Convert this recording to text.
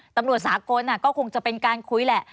ตำรวจสากลก็คงจะเป็นการคุยแหละ